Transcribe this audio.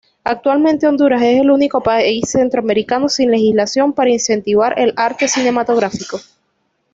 Actualmente Honduras es el único país centroamericano sin legislación para incentivar el arte cinematográfico.